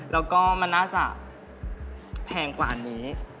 แล้วก็มันน่าจะแพงกว่านี้